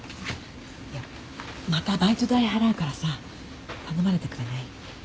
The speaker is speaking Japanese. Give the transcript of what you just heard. いやまたバイト代払うからさ頼まれてくれない？